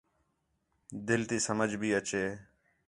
دِل تی سمجھ بھی اچے